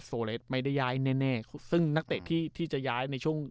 เลสไม่ได้ย้ายแน่แน่ซึ่งนักเตะที่ที่จะย้ายในช่วง